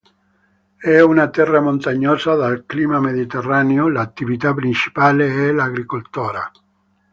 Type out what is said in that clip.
È una terra montagnosa dal clima mediterraneo, l'attività principale è l'agricoltura.